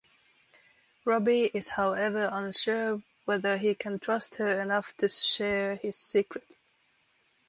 Robbie is however unsure whether he can trust her enough to share his secret.